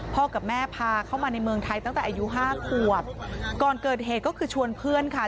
กับแม่พาเข้ามาในเมืองไทยตั้งแต่อายุห้าขวบก่อนเกิดเหตุก็คือชวนเพื่อนค่ะ